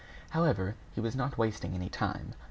However, he was not wasting any time.